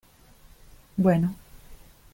bueno...